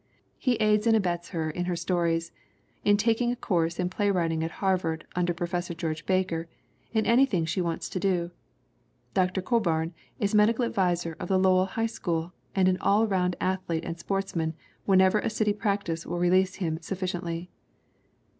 He aids and abets her in her stories, in taking a course in playwriting at Harvard under Professor George Baker, in anything she wants to do. Dr. Coburn is medical adviser of the Lowell high school and an all round athlete and sportsman whenever a city practice will release him sufficiently.